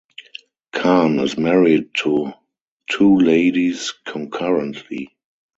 Khan is married to two ladies concurrently.